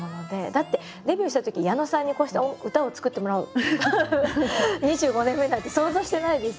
だってデビューしたとき矢野さんにこうして歌を作ってもらう２５年目なんて想像してないです。